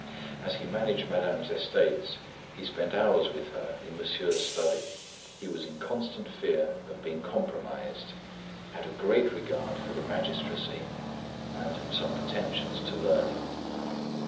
As he managed Madame's estates, he spent hours with her in Monsieur's study; he was in constant fear of being compromised, had a great regard for the magistracy and some pretensions to learning.